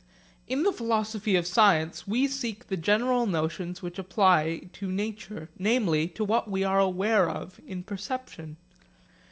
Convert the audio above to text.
In the philosophy of science we seek the general notions which apply to nature, namely, to what we are aware of in perception.